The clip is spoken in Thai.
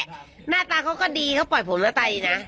หน้าตาเค้าก็ดีเค้าปล่อยผมหน้าตาดีนะ